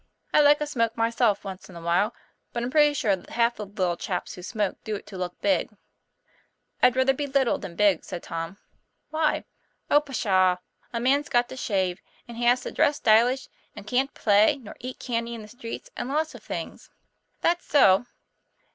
I like a smoke myself once in a while, but I'm pretty sure that half the little chaps who smoke do it to look big." " I'd rather be little than big," said Tom. "Why?" "Oh, pshaw! a man's got to shave, and has to dress stylish, and can't play, nor eat candy in the streets, and lots of things." "That's so."